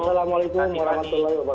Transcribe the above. selamat malam assalamualaikum